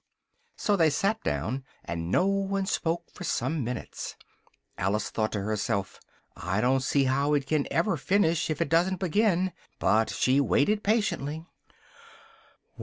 So they sat down, and no one spoke for some minutes: Alice thought to herself "I don't see how it can ever finish, if it doesn't begin," but she waited patiently.